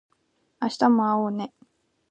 明日も会おうね